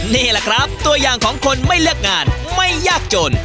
นี่แหละครับตัวอย่างของคนไม่เลือกงานไม่ยากจน